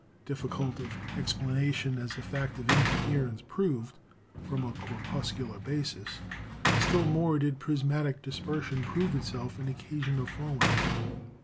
Difficult of explanation as the fact of interference proved from a corpuscular basis, still more did prismatic disper sion prove itself an occasion of falling.